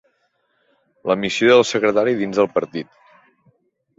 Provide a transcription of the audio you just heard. La missió del secretari dins el partit.